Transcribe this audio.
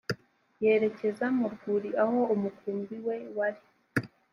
yerekeza mu rwuri aho umukumbi we wari